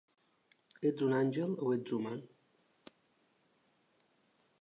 Ets un àngel o ets humà?